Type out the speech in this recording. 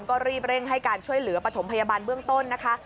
ก็รีบเร่งให้การช่วยเหลือปฐมพยาบาลเบื้องต้นนะคะ